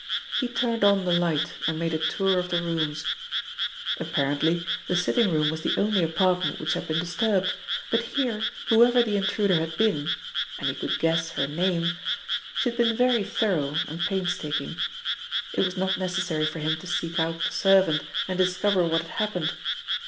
He turned on the light and made a tour of the rooms. Apparently, the sitting room was the only apartment which had been disturbed, but here, whoever the intruder had been and he could guess her name she had been very thorough and painstaking. It was not necessary for him to seek out the servant and discover what had happened.